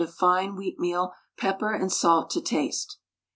of fine wheatmeal, pepper and salt to taste.